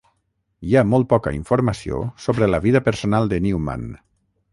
Hi ha molt poca informació sobre la vida personal de Newman.